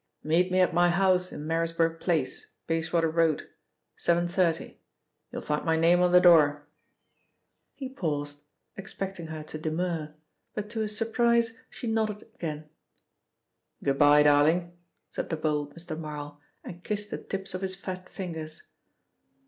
"Meet me at my house in Marisburg Place, Bayswater Road. 7.30. You'll find my name on the door." He paused, expecting her to demur, but to his surprise, she nodded again. "Good bye, darling," said the bold Mr. Marl and kissed the tips of his fat fingers.